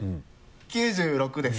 ９６です。